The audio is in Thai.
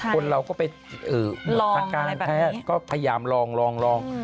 คนเราก็ไปหมดอาการแพทย์ก็พยายามลอง